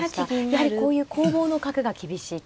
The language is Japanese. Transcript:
やはりこういう攻防の角が厳しいと。